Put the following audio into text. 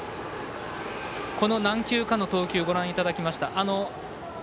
この何球かの投球ご覧いただきました。